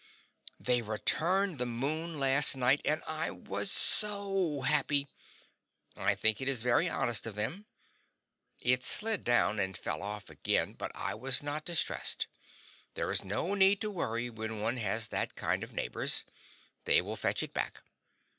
They returned the moon last night, and I was SO happy! I think it is very honest of them. It slid down and fell off again, but I was not distressed; there is no need to worry when one has that kind of neighbors; they will fetch it back.